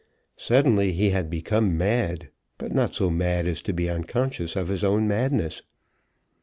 Suddenly he had become mad, but not so mad as to be unconscious of his own madness.